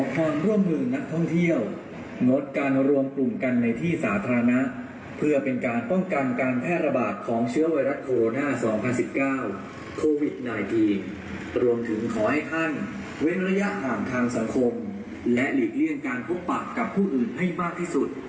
และหลีกเลี่ยงการพบปากกับผู้อื่นให้มากที่สุด